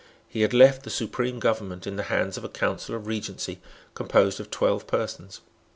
He had left the supreme government in the hands of a Council of Regency composed of twelve persons.